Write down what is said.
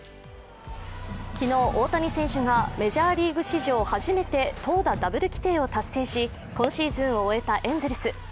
昨日、大谷選手がメジャーリーグ史上初めて投打ダブル規定を達成し今シーズンを終えたエンゼルス。